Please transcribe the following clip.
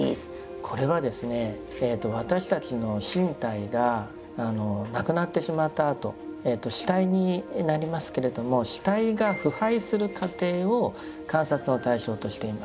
これはですね私たちの身体がなくなってしまったあと死体になりますけれども死体が腐敗する過程を観察の対象としています。